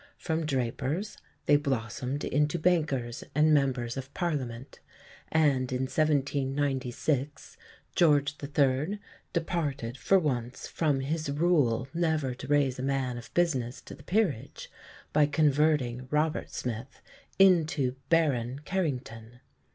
From drapers they blossomed into bankers and Members of Parliament; and in 1796 George III. departed for once from his rule never to raise a man of business to the Peerage, by converting Robert Smith into Baron Carrington.